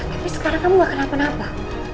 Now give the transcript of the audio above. tapi sekarang kamu gak kenapa napa